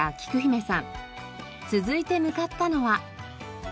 続いて向かったのは。